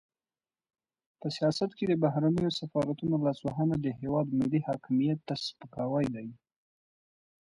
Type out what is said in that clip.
په سیاست کې د بهرنیو سفارتونو لاسوهنه د هېواد ملي حاکمیت ته سپکاوی دی.